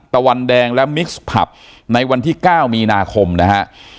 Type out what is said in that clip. ตะวันแดงและมิกซ์ผับในวันที่๙มีนาคมนะฮะ